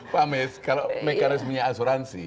pak amis kalau mekanismenya asuransi